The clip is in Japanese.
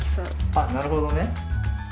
あなるほどね。